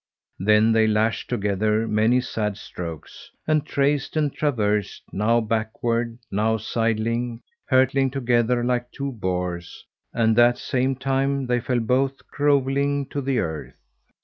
Then they lashed together many sad strokes, and traced and traversed now backward, now sideling, hurtling together like two boars, and that same time they fell both grovelling to the earth.